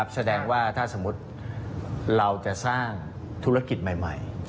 แสดงว่าถ้าสมมุติเราจะสร้างธุรกิจใหม่